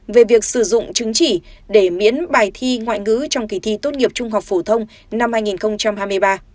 về việc sử dụng chứng chỉ để miễn bài thi ngoại ngữ trong kỳ thi tốt nghiệp trung học phổ thông năm hai nghìn hai mươi ba